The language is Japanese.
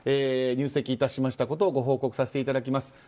入籍いたしましたことをご報告させていただきます。